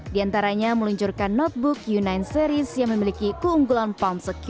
di antaranya meluncurkan notebook u sembilan series yang memiliki keunggulan palm secure